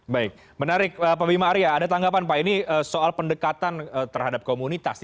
baik menarik pak bima arya ada tanggapan pak ini soal pendekatan terhadap komunitas